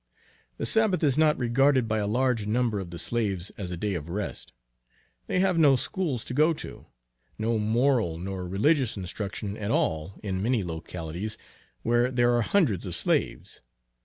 The Sabbath is not regarded by a large number of the slaves as a day of rest. They have no schools to go to; no moral nor religious instruction at all in many localities where there are hundreds of slaves.